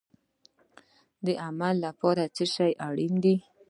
د عمل لپاره څه شی اړین دی؟